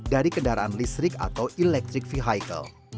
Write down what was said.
dari kendaraan listrik atau electric vehicle